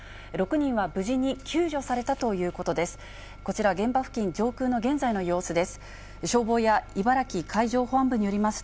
６人は無事に救助されたということです。